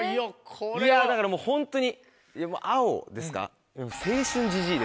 いやだからもうホントに青ですか？